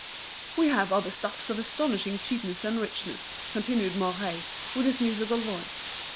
"We have other stuffs of astonishing cheapness and richness," continued Mouret, with his musical voice.